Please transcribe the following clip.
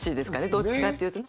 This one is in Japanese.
どっちかっていうとね。